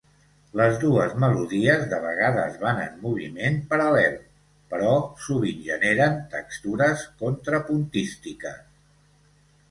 Les dues melodies de vegades van en moviment paral·lel, però sovint generen textures contrapuntístiques.